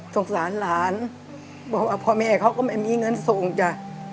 สงสารหลานบอกว่าพ่อแม่เขาก็ไม่มีเงินส่งจ้ะ